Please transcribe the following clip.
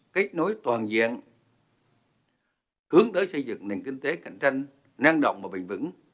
kết nối toàn diện hướng tới xây dựng nền kinh tế cạnh tranh năng động và bình vững